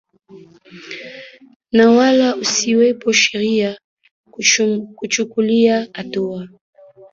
na wala kusiwepo sheria ya kumchukulia hatua